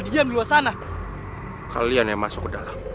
tidak saja kalian tidak melanggar aturanmu